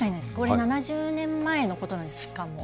７０年前のことなんです、しかも。